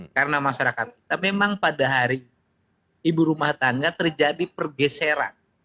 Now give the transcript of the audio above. karena masyarakat kita memang pada hari ibu rumah tangga terjadi pergeseran